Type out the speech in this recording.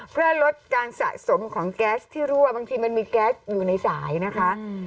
เพื่อลดการสะสมของแก๊สที่รั่วบางทีมันมีแก๊สอยู่ในสายนะคะ